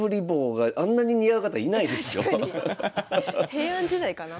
平安時代かな？